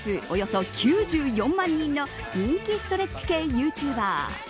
およそ９４万人の人気ストレッチ系ユーチューバー